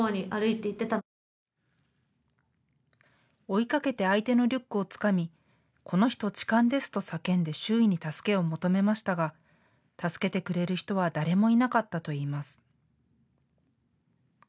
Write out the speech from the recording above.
追いかけて相手のリュックをつかみこの人、痴漢ですと叫んで周囲に助けを求めましたが助けてくれる人は誰もいなかったといいます。